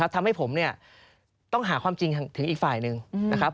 ทำให้ผมเนี่ยต้องหาความจริงถึงอีกฝ่ายหนึ่งนะครับ